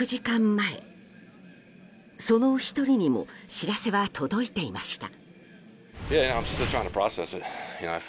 前その１人にも知らせは届いていました。